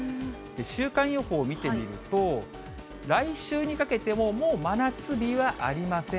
週間予報を見てみると、来週にかけても、もう真夏日はありません。